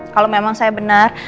kalau memang saya benar